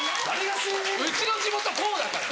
うちの地元こうだから。